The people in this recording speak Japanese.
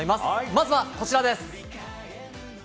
まずはこちらです。